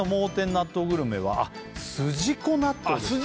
納豆グルメはあっ筋子納豆です